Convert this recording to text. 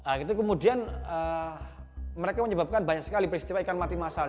nah itu kemudian mereka menyebabkan banyak sekali peristiwa ikan mati masal